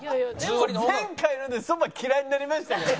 前回のでそば嫌いになりましたから。